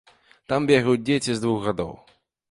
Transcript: Там бегаюць дзеці з двух гадоў.